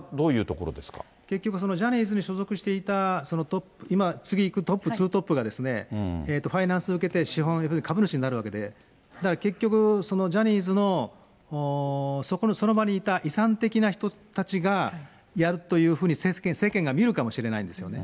結局そのジャニーズに所属していたそのトップ、次いくトップ、ツートップがですね、ファイナンス受けて、資本、いわゆる株主になるわけで、だから、結局そのジャニーズのその場にいた遺産的な人たちが、やるというふうに世間が見るかもしれないんですよね。